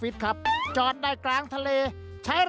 ยังไง